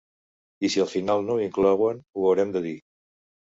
I si al final no ho inclouen, ho haurem de dir.